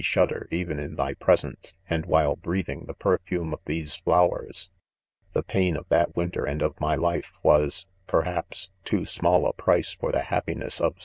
shudder even in thy presence, and while breathing the perfume' of these'; fioWers ^the:;: ; p^|ii^of that winter and of my life, was, perhaps, \oo small aprice for the, : ha^pines.S:of